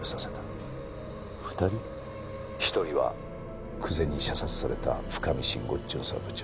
一人は久瀬に射殺された深海慎吾巡査部長。